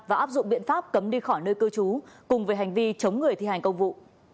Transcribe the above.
và áp dụng biện pháp cấm đi khỏi nơi cư trú cùng với hành vi chống người thi hành công vụ